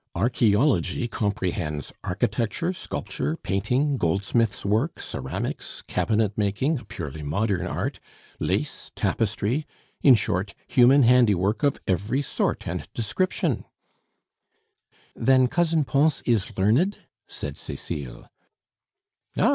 Archaeology comprehends architecture, sculpture, painting, goldsmiths' work, ceramics, cabinetmaking (a purely modern art), lace, tapestry in short, human handiwork of every sort and description." "Then Cousin Pons is learned?" said Cecile.